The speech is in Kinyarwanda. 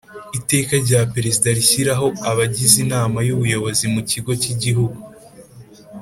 Iteka rya Perezida rishyiraho abagize Inama y Ubuyobozi mu Kigo cy Igihugu